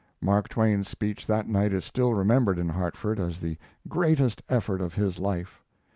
Mark Twain's speech that night is still remembered in Hartford as the greatest effort of his life.